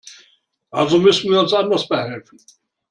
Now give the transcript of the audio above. Also müssen wir uns anders behelfen.